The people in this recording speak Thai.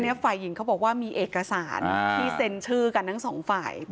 อันนี้ไฟหญิงเขาบอกมีเอกสารที่เช่นชื่อกันทั้งสองฝ่าย